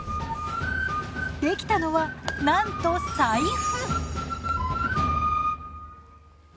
できたのはなんと財布！